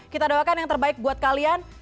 kita doakan yang terbaik buat kalian